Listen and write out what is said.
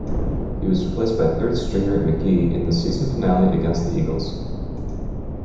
He was replaced by third-stringer McGee in the season finale against the Eagles.